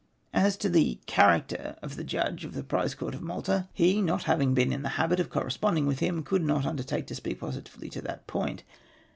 As to the character of the Judge of the Prize Court at Malta, he not having been in the habit of corresponding with him could not vmdertake to speak positively to that point.